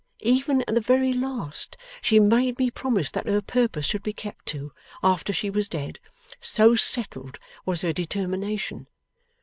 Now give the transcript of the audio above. Even at the very last, she made me promise that her purpose should be kept to, after she was dead, so settled was her determination.